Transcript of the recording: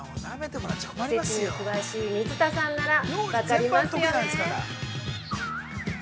おせちに詳しい水田さんなら分かりますよね？